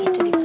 itu di tppk